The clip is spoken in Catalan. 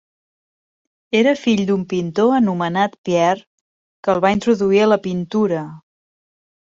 Era fill d'un pintor anomenat Pierre que el va introduir a la pintura.